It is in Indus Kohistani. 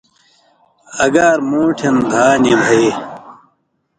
اگار مُوٹھِن دھا نی بھئ۔